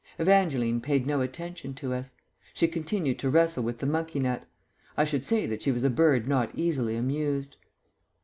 Evangeline paid no attention to us. She continued to wrestle with the monkey nut. I should say that she was a bird not easily amused.